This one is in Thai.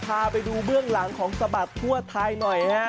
พาไปดูเบื้องหลังของสะบัดทั่วไทยหน่อยฮะ